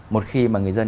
một khi mà người dân